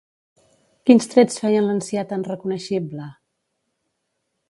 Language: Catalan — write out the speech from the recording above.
Quins trets feien l'ancià tan reconeixible?